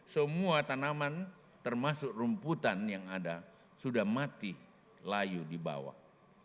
semua tanaman termasuk rumputan yang ada sudah mati layu di bawah